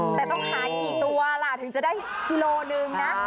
แต่ต้องหากี่ตัวล่ะถึงจะได้กิโลหนึ่งนะ